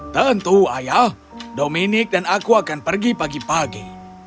tentu ayah dominic dan aku akan pergi pagi pagi